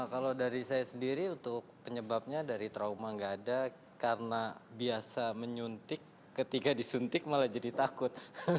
kalau dari saya sendiri untuk penyebabnya dari trauma gak ada karena biasa menyuntik ketika disuntik malah jadi takut